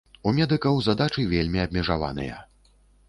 У медыкаў задачы вельмі абмежаваныя.